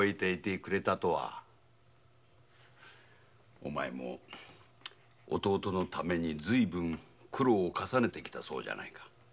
お前も弟のために随分苦労を重ねてきたそうじゃないか。